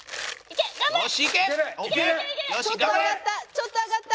ちょっと上がった。